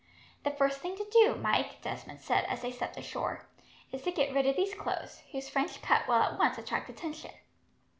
"The first thing to do, Mike," Desmond said, as they stepped ashore, "is to get rid of these clothes, whose French cut will at once attract attention.